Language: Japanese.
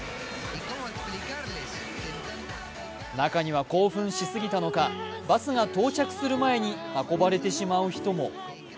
中には興奮しすぎたのかバスが到着する前に運ばれてしまう人も。